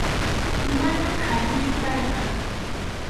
Manam qharichu payqa.